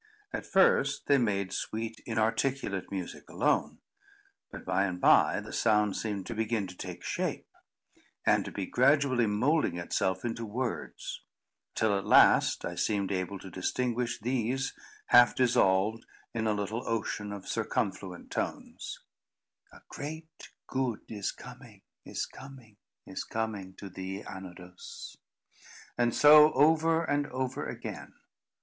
At first, they made sweet inarticulate music alone; but, by and by, the sound seemed to begin to take shape, and to be gradually moulding itself into words; till, at last, I seemed able to distinguish these, half dissolved in a little ocean of circumfluent tones: "A great good is coming—is coming—is coming to thee, Anodos;" and so over and over again.